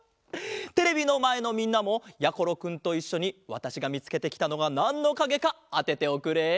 テレビのまえのみんなもやころくんといっしょにわたしがみつけてきたのはなんのかげかあてておくれ。